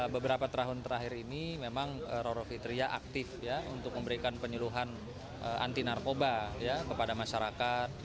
beberapa tahun terakhir ini memang roro fitria aktif ya untuk memberikan penyuluhan anti narkoba kepada masyarakat